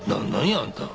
あんた。